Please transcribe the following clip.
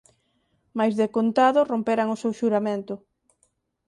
mais decontado romperan o seu xuramento